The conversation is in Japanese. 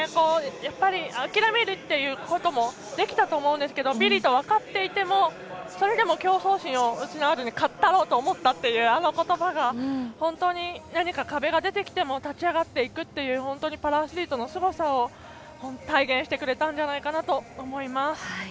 やっぱり諦めるということもできたと思うんですけどビリと分かっていてもそれでも競争心を失わずに勝ったろうと思ったというあの言葉が本当に何か壁が出てきても立ち向かっていくというパラアスリートのすごさを体現してくれたんじゃないかと思います。